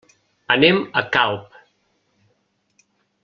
Anem a Calp.